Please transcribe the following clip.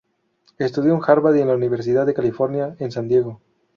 Estudió en Harvard y en la Universidad de California, en San Diego.